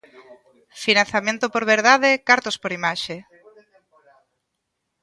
Financiamento por verdade, cartos por imaxe.